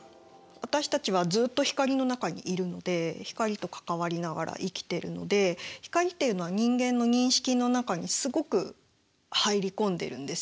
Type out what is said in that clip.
私たちはずっと光の中にいるので光と関わりながら生きてるので光っていうのは人間の認識の中にすごく入り込んでるんですよね。